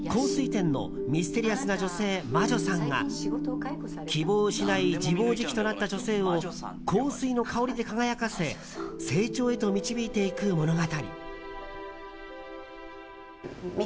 店のミステリアスな女性魔女さんが、希望を失い自暴自棄となった女性を香水の香りで輝かせ成長へと導いていく物語。